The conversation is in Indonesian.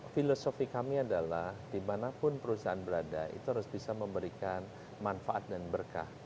filosofi kami adalah dimanapun perusahaan berada itu harus bisa memberikan manfaat dan berkah